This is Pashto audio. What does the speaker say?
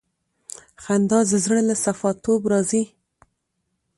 خندا د زړه له صفا توب راځي.